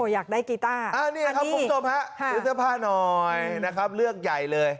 อยากได้กีต้านี่ครับผมโจมภัยเอาเสื้อผ้าหน่อยนะครับเลือกใหญ่เลย